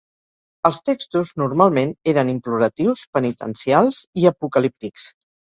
Els textos normalment eren imploratius, penitencials i apocalíptics.